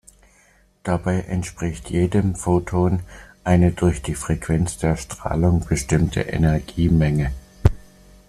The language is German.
Dabei entspricht jedem Photon eine durch die Frequenz der Strahlung bestimmte Energiemenge.